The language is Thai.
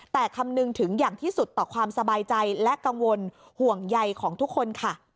แต่คำนึงถึงอย่างที่สุดต่อความสบายใจและกังวลห่วงใยของทุกคนค่ะ